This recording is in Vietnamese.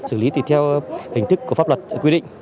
xử lý tùy theo hình thức của pháp luật quy định